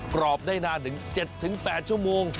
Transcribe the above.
กรอบได้นานถึง๗๘ชั่วโมง